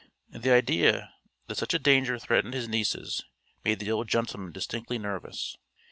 The idea that such a danger threatened his nieces made the old gentleman distinctly nervous.